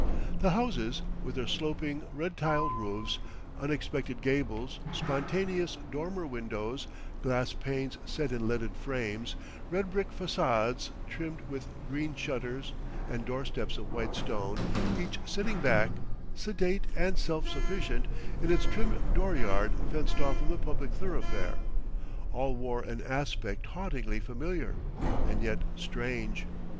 The houses, with their sloping, red tiled roofs, unexpected gables, spontaneous dormer windows, glass panes set in leaded frames, red brick façades trimmed with green shutters and doorsteps of white stone, each sitting back, sedate and self sufficient, in its trim dooryard fenced off from the public thoroughfare: all wore an aspect hauntingly familiar, and yet strange.